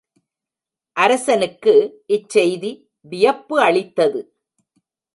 அரசனுக்கு இச்செய்தி வியப்பு அளித்தது.